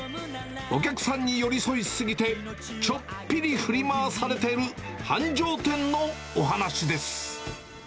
お客さんに寄り添い過ぎて、ちょっぴり振り回されてる繁盛店のお話です。